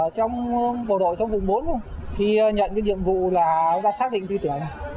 trong bộ đội trong vùng bốn khi nhận nhiệm vụ là chúng ta xác định tư tuyển